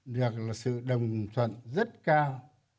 được sự đồng thuận rất cao